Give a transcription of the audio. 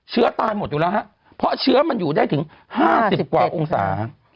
เชื้อตายหมดอยู่แล้วฮะเพราะเชื้อมันอยู่ได้ถึง๕๐กว่าองศา